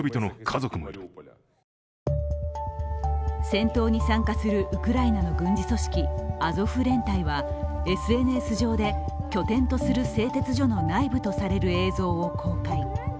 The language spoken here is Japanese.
戦闘に参加するウクライナの軍事組織、アゾフ連隊はＳＮＳ上で拠点とする製鉄所の内部とされる映像を公開。